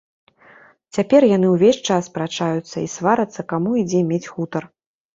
Цяпер яны ўвесь час спрачаюцца і сварацца, каму і дзе мець хутар.